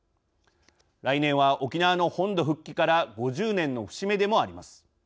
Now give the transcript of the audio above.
来年は沖縄の本土復帰から５０年の節目でもあります。